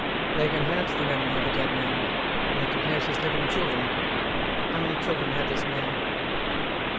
'They can hurt the memory of a dead man, and they can hurt his living children. How many children had this man?